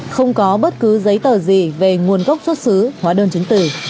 không có bất cứ giấy tờ gì về nguồn gốc xuất xứ hóa đơn chứng tử